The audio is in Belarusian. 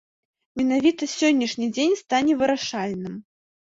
Менавіта сённяшні дзень стане вырашальным.